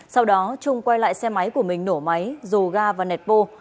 sau đó trung quay lại xe máy của mình nổ máy rồ ga và nẹt bô